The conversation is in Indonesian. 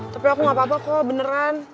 tapi aku gak apa apa kok beneran